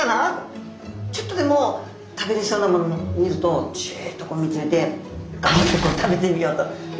ちょっとでも食べれそうなものを見るとジッと見つめてガブッと食べてみようと。